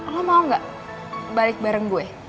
aku mau gak balik bareng gue